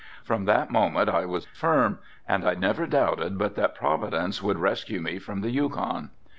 From that moment I was firm and I never doubted but that providence would rescue me from the Yukon.